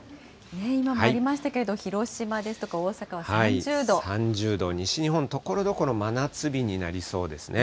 今もありましたけれども、広島ですとか、３０度、西日本、ところどころ真夏日になりそうですね。